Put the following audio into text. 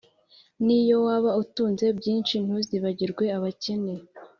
N’iyo waba utunze byinshi, ntuzibagirwe abakene